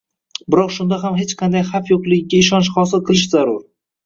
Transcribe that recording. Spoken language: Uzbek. biroq shunda ham hech qanday xavf yo‘qligiga ishonch hosil qilish zarur.